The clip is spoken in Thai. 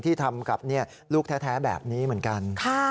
ที่ทำกับลูกแท้แบบนี้เหมือนกัน